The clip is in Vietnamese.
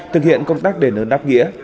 thực hiện công tác đền ơn đáp nghĩa